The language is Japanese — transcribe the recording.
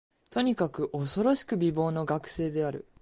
とにかく、おそろしく美貌の学生である